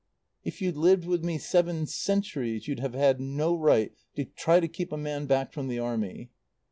"If you'd lived with me seven centuries you'd have had no right to try to keep a man back from the Army."